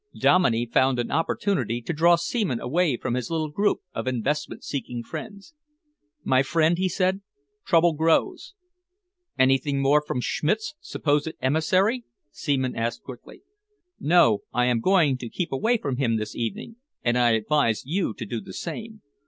Dominey found an opportunity to draw Seaman away from his little group of investment seeking friends. "My friend," he said, "trouble grows." "Anything more from Schmidt's supposed emissary?" Seaman asked quickly. "No. I am going to keep away from him this evening, and I advise you to do the same.